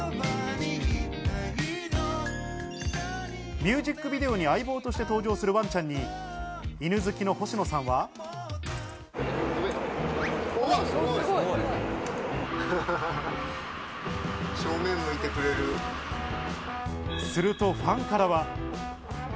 ミュージックビデオに相棒として登場するワンちゃんに、犬好きの星野さんは。するとファンからは。